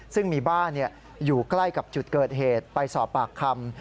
ซึ่งมีบ้านอยู่ใกล้กับจุดเกิดเหตุไปสอบปากคำ